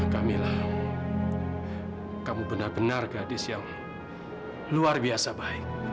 kamilah kamu benar benar gadis yang luar biasa baik